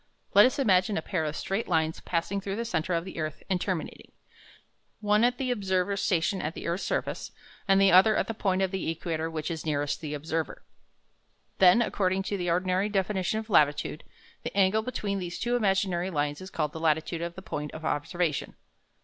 Let us imagine a pair of straight lines passing through the centre of the earth and terminating, one at the observer's station on the earth's surface, and the other at that point of the equator which is nearest the observer. Then, according to the ordinary definition of latitude, the angle between these two imaginary lines is called the latitude of the point of observation.